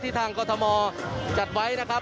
ทางกรทมจัดไว้นะครับ